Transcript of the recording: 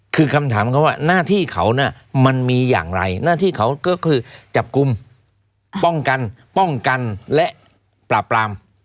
คือคำถามเขาว่าหน้าที่เขาน่ะมันมีอย่างไรหน้าที่เขาก็คือจับกลุ่มป้องกันป้องกันและปราบปราม